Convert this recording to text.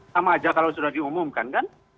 sama aja kalau sudah diumumkan kan